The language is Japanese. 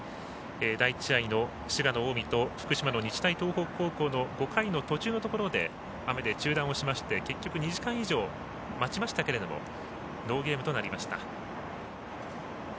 第１試合の滋賀の近江と福島の日大東北高校の５回途中のところで雨で中断しまして結局、２時間以上待ちましたけれどもノーゲームとなりました。